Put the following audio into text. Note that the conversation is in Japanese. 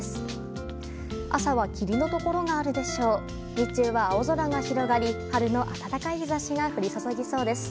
日中は青空が広がり春の温かい日差しが降り注ぎそうです。